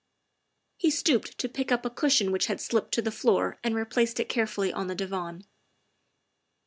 He stooped to pick up a cushion which had slipped to the floor and replaced it carefully on the divan.